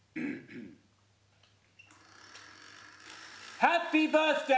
ハッピーバースディ。